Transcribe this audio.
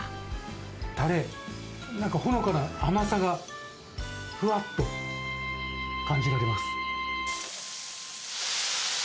たれ、ほのかな甘さがふわっと感じられます。